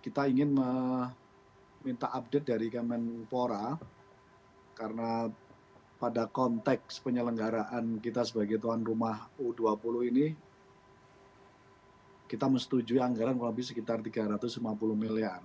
kita ingin meminta update dari kemenpora karena pada konteks penyelenggaraan kita sebagai tuan rumah u dua puluh ini kita mesti anggaran kurang lebih sekitar tiga ratus lima puluh miliar